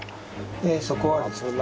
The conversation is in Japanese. でそこはですね